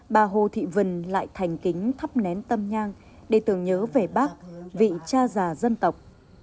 bà hồ thị vân lại thành kính thắp nén tâm nhang để tưởng nhớ về bác vị cha già dân tộc